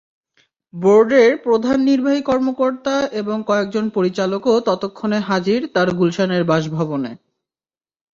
বোর্ডের প্রধান নির্বাহী কর্মকর্তা এবং কয়েকজন পরিচালকও ততক্ষণে হাজির তাঁর গুলশানের বাসভবনে।